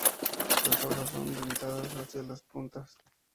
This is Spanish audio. Las hojas son dentadas hacia las puntas.